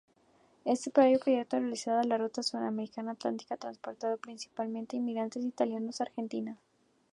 Estaba proyectado para realizar la ruta sudamericana atlántica transportando principalmente inmigrantes italianos a Argentina.